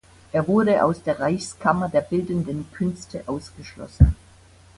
Er wurde aus der Reichskammer der Bildenden Künste ausgeschlossen.